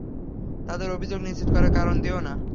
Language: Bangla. তাদের অভিযোগ নিশ্চিত করার কারণ দিও না।